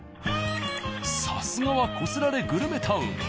さすがはこすられグルメタウン。